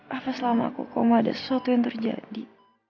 apa selama aku koma ada sesuatu yang terjadi